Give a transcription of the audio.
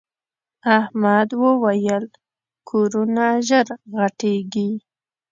احمد وويل: کورونه ژر غټېږي.